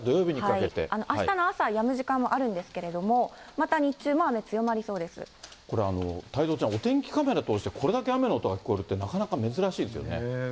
あしたの朝、やむ時間もあるんですけれども、また日中も雨、これ、太蔵ちゃん、お天気カメラ通してこれだけ雨の音が聞こえるって、なかなか珍しいですよね。